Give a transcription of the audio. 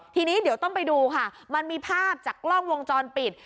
ทีนี้เดี๋ยวต้องไปดูค่ะมันมีภาพจากกล้องวงจรปิด